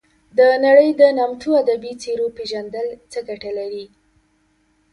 د نړۍ د نامتو ادبي څیرو پېژندل څه ګټه لري.